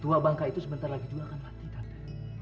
tua bangka itu sebentar lagi juga akan mati tante